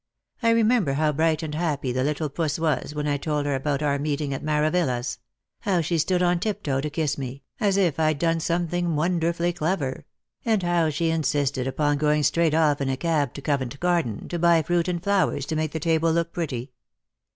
I remember how bright and happy the little puss was when I told her about our meeting at Maravilla's ; how she stood on tiptoe to kiss me, as if I'd done something wonderfully clever ; and how she insisted upon going straight off in a cab to Covent garden, to buy fruit and flowers to make the table look pretty.